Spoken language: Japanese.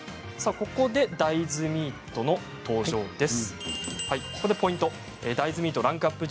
ここで大豆ミートの登場です。